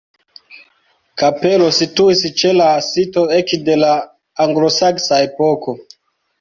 Kapelo situis ĉe la sito ekde la anglosaksa epoko.